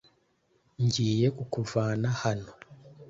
Ngiye kukuvana hano .